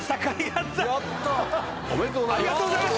ありがとうございます！